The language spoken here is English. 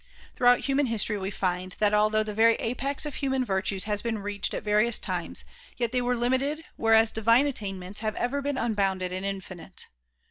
Throughout human history we find that although the very apex of human virtues has been reached at various times yet they were limited whereas divine attainments have ever been unbounded and infinite.